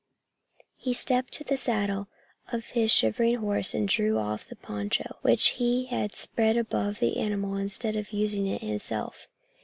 He stepped to the saddle of his shivering horse and drew off the poncho, which he had spread above the animal instead of using it himself.